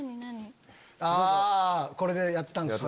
これでやってたんですよ。